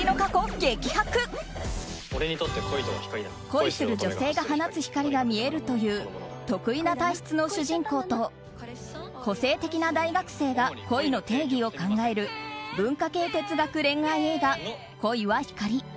恋する女性が放つ光が見えるという特異な体質の主人公と個性的な大学生が恋の定義を考える文科系哲学恋愛映画「恋は光」。